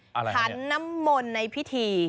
อะไรนะเนี่ยถันน้ำมนในพิธี